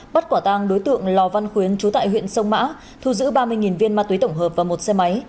bắt quả tang đối tượng lò văn khuyến trú tại huyện sông mã thu giữ ba mươi viên ma túy tổng hợp và một xe máy